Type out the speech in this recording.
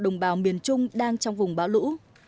đồng bào miền trung đang trong vùng bão lũ